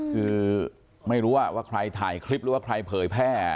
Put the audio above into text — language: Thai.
คือไม่รู้ว่าใครถ่ายคลิปหรือคนเพิ่มแบ่